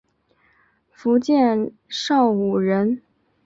福建邵武人。